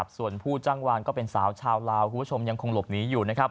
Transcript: ส่วนผู้จ้างวานก็เป็นสาวชาวลาวคุณผู้ชมยังคงหลบหนีอยู่